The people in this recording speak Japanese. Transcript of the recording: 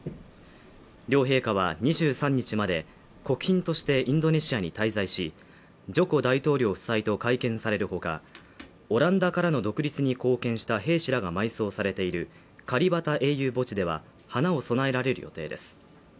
両陛下は２３日まで、国賓としてインドネシアに滞在し、ジョコ大統領夫妻と会見されるほかオランダからの独立に貢献した兵士らが埋葬されているカリバタ英雄墓地では花を供えられる予定です。